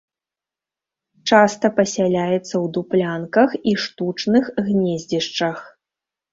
Часта пасяляецца ў дуплянках і штучных гнездзішчах.